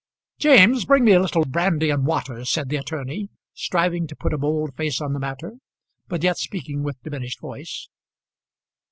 "James, bring me a little brandy and water," said the attorney, striving to put a bold face on the matter, but yet speaking with diminished voice.